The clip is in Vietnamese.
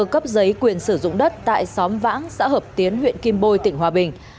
cấp giấy quyền sử dụng đất tại xóm vãng xã hợp tiến huyện kim bôi tỉnh hòa bình